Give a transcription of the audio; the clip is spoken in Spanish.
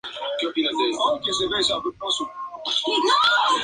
No tienen funciones políticas en sí mismas.